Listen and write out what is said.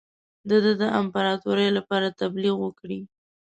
د ده د امپراطوری لپاره تبلیغ وکړي.